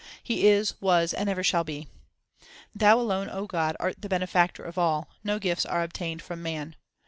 He is, was, and ever shall be. Thou alone, O God, art the Benefactor of all ; no gifts are obtained from man.